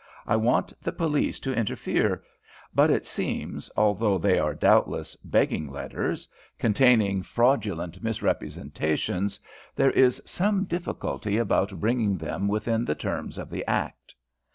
I want the police to interfere, but it seems, although they are doubtless begging letters, containing fraudulent misrepresentations, there is some difficulty about bringing them within the terms of the Act."